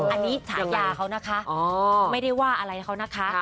อันนี้ฉายาเขานะคะไม่ได้ว่าอะไรเขานะคะ